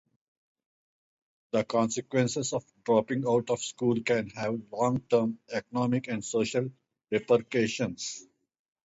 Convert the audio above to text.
The consequences of dropping out of school can have long-term economic and social repercussions.